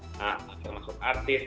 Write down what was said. nah termasuk artis